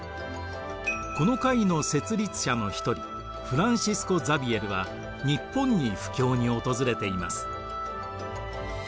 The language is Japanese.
この会の設立者の一人フランシスコ・ザビエルは日本に布教に訪れています。